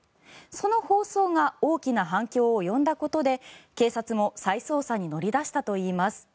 その放送が大きな反響を呼んだことで警察も再捜査に乗り出したといいます。